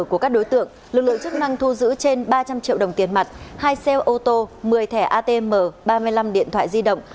các đối tượng lực lượng chức năng thu giữ trên ba trăm linh triệu đồng tiền mặt hai xe ô tô một mươi thẻ atm ba mươi năm điện thoại di động